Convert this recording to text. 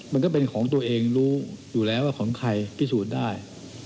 มันก็เป็นของตัวเองรู้อยู่แล้วว่าของใครพิสูจน์ได้